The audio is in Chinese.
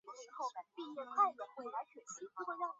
我和其他人所想到有关球会的事情就是亚维的家庭。